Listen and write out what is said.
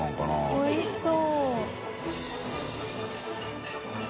おいしそう。